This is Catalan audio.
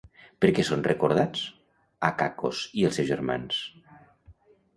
Per què són recordats Acacos i els seus germans?